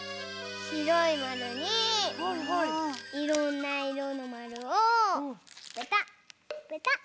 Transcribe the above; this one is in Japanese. しろいまるにいろんないろのまるをペタッペタッ。